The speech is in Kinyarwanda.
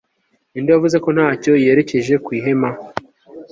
Ninde wavuze ko ntacyo yerekeje ku ihema